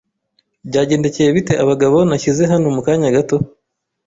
Byagendekeye bite igitabo nashyize hano mu kanya gato?